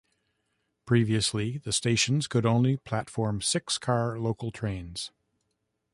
Previously the stations could only platform six car local trains.